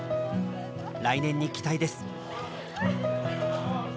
来年に期待です。